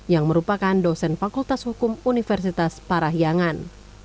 yang merupakan dosen fakultas hukum universitas parahiangan